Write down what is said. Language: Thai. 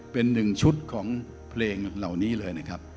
เป็นหนึ่งชุดของเพลงเหล่านี้เลยนะครับ